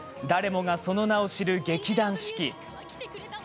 誰もが、その名を知る劇団四季。